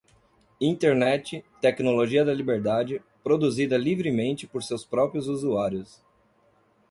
Internet, tecnologia da liberdade, produzida livremente por seus próprios usuários.